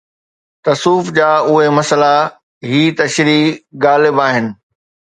تصوف جا اهي مسئلا، هي تشريح غالب آهن